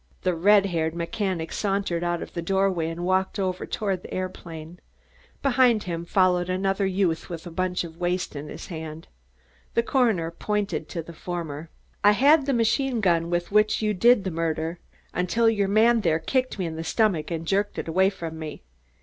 The red haired mechanic sauntered out of the doorway and walked over toward the aeroplane. Behind him followed another youth with a bunch of waste in his hand. The coroner pointed to the former. "I had the machine gun with which you did the murder until your man there kicked me in the stomach and jerked it away from me.